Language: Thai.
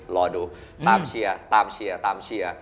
รอดูตามเชียร์ตามเชียร์ตามเชียร์